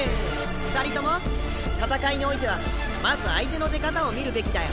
二人とも戦いにおいてはまず相手の出方を見るべきだよ。